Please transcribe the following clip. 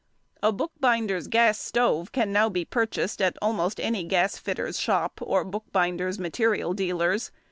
A bookbinder's gas stove can now be purchased at almost any gas fitter's shop or bookbinders' material dealers.